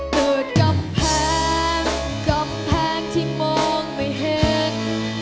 เกิดกำแพงกำแพงที่มองไม่เห็น